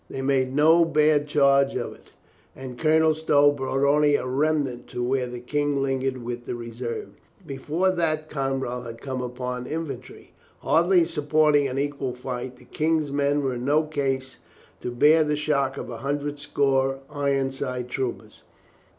They made no bad charge of it, and Colonel Stow brought only a remnant to where the King lingered with the reserve. Before that Cromwell had come upon the infantry. Hardly supporting an equal fight, the King's men were in no case to bear the shock of a hundred score Ironside troopers.